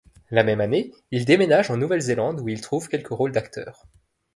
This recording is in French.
La même année, il déménage en Nouvelle-Zélande où il trouve quelques rôles d'acteur.